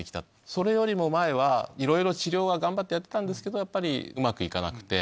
それよりも前はいろいろ治療は頑張ってやってたんですけどやっぱりうまく行かなくて。